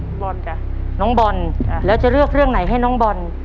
บอลจ้ะน้องบอลจ้ะแล้วจะเลือกเรื่องไหนให้น้องบอล